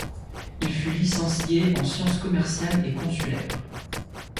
Il fut licencié en sciences commerciales et consulaires.